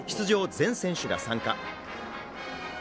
全選手が参加。